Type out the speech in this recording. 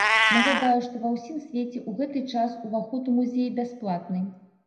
Нагадаю, што ва ўсім свеце ў гэты час уваход у музеі бясплатны.